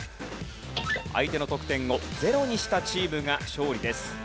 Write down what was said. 相手の得点を０にしたチームが勝利です。